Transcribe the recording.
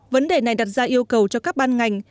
vấn đề này đặt ra yêu cầu cho các ban ngành